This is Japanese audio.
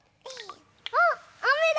あっあめだ！